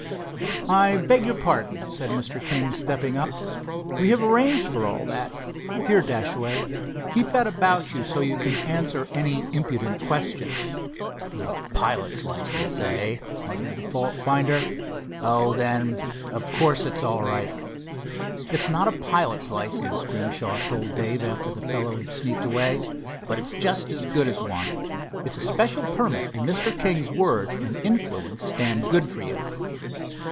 "I beg your pardon," said Mr. King, stepping up, "but we have arranged all that. Here, Dashaway, keep that about you so you can answer any impudent questions." "A pilot's license, eh?" muttered the fault finder—"Oh, then of course it's all right." "It's not a pilot's license," Grimshaw told Dave after the fellow had sneaked away, "but it's just as good as one. It's a special permit, and Mr. King's word and influence stand good for you."